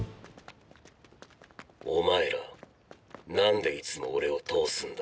お前らなんでいつも俺を通すんだ？